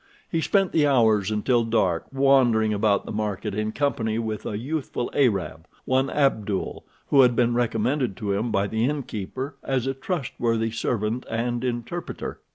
He spent the hours until dark wandering about the market in company with a youthful Arab, one Abdul, who had been recommended to him by the innkeeper as a trustworthy servant and interpreter.